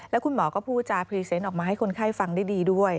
แล้วคุณหมอก็พูดจาพรีเซนต์ออกมาให้คนไข้ฟังได้ดีด้วย